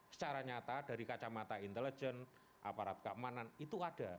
secara nyata dari kacamata intelijen aparat keamanan itu ada